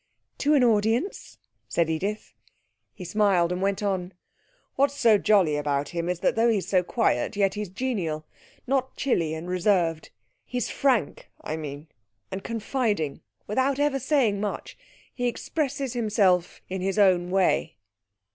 'To an audience?' said Edith. He smiled and went on. 'What's so jolly about him is that though he's so quiet, yet he's genial; not chilly and reserved. He's frank, I mean and confiding. Without ever saying much. He expresses himself in his own way.'